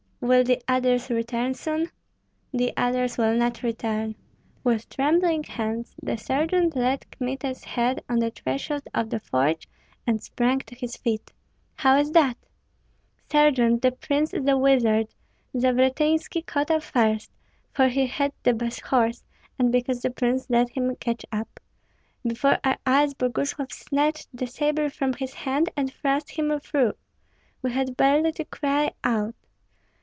"Will the others return soon?" "The others will not return." With trembling hands the sergeant laid Kmita's head on the threshold of the forge, and sprang to his feet. "How is that?" "Sergeant, that prince is a wizard! Zavratynski caught up first, for he had the best horse, and because the prince let him catch up. Before our eyes Boguslav snatched the sabre from his hand and thrust him through. We had barely to cry out.